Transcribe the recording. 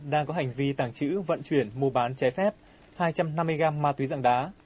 đang có hành vi tàng trữ vận chuyển mua bán trái phép hai trăm năm mươi gram ma túy dạng đá